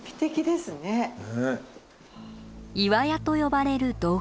岩屋と呼ばれる洞窟。